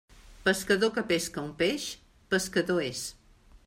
Pescador que pesca un peix, pescador és.